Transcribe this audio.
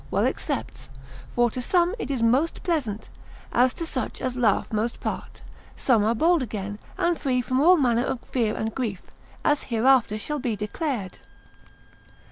well excepts; for to some it is most pleasant, as to such as laugh most part; some are bold again, and free from all manner of fear and grief, as hereafter shall be declared.